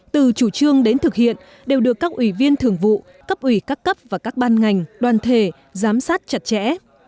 từ chủ trương đến thực hiện đều được các ủy viên thường vụ cấp ủy các cấp và các ban ngành đoàn thể giám sát chặt chẽ